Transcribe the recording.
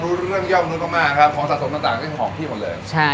พูดถึงก๋วยเตี๋ยวมากได้ดีกว่า